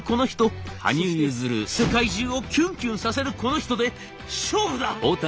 そして世界中をキュンキュンさせるこの人で勝負だ！」。